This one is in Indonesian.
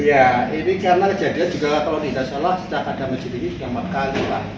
ya ini karena kejadian juga kalau kita sholat setelah ada masjid ini kita makan